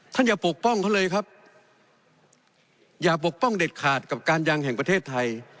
อย่าปกป้องเขาเลยครับอย่าปกป้องเด็ดขาดกับการยางแห่งประเทศไทย